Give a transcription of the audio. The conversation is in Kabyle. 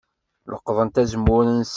Leqḍent azemmur-nsent.